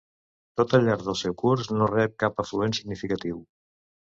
Tot al llarg del seu curs no rep cap afluent significatiu.